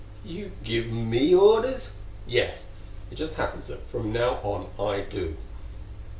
"You give me orders?" "Yes it just happens that from now on I do.